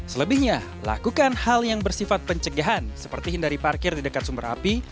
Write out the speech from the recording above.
selebihnya lakukan hal yang bersifat pencegahan seperti hindari parkir di dekat sumber api